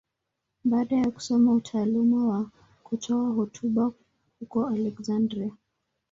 Baada ya kusoma utaalamu wa kutoa hotuba huko Aleksandria.